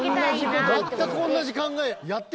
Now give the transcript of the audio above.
全く同じ考えや。